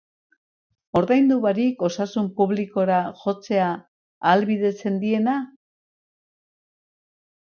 Ordaindu barik osasun publikora jotzea ahalbidetzen diena?